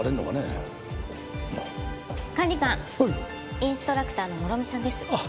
インストラクターの諸見さんです。